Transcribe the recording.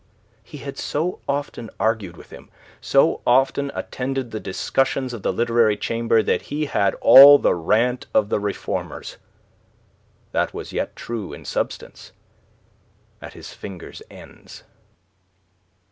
He had so often argued with him, so often attended the discussions of the Literary Chamber, that he had all the rant of the reformers that was yet true in substance at his fingers' ends.